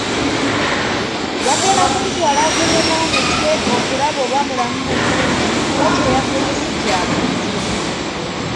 Bagenda kumutwala akeberwe omutwe okulaba oba mulamu bulungi kuba kye yakoze ssi kya buntu.